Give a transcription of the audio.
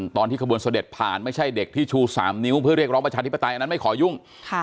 ขบวนเสด็จผ่านไม่ใช่เด็กที่ชู๓นิ้วเพื่อเรียกร้องประชาธิปไตยอันนั้นไม่ขอยุ่ง